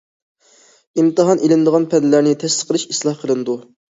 ئىمتىھان ئېلىنىدىغان پەنلەرنى تەسىس قىلىش ئىسلاھ قىلىنىدۇ.